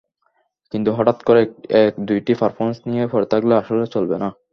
কিন্তু হঠাৎ করে এক-দুটি পারফরম্যান্স নিয়ে পড়ে থাকলে আসলে চলবে না।